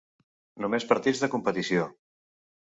Només partits de competició.